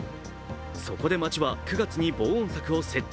そこで町は９月に防音柵を設置。